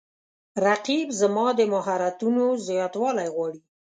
رقیب زما د مهارتونو زیاتوالی غواړي